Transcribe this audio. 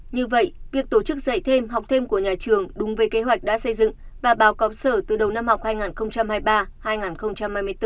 như vậy việc tổ chức dạy thêm học thêm của nhà trường đúng với kế hoạch đã xây dựng và báo cáo sở từ đầu năm học hai nghìn hai mươi ba hai nghìn hai mươi bốn